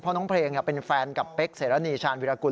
เพราะน้องเพลงเป็นแฟนกับเป๊กเสรณีชาญวิรากุล